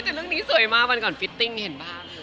แต่เรื่องนี้สวยมากวันก่อนฟิตติ้งเห็นป่ะ